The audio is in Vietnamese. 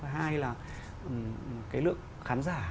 hai là cái lượng khán giả